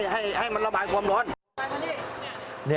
ให้มันระบายความร้อน